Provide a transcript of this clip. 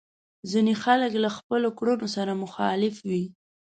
ځينې خلک له خپلو کړنو سره مخالف وي.